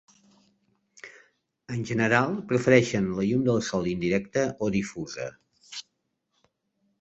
En general, prefereixen la llum del sol indirecte o difusa.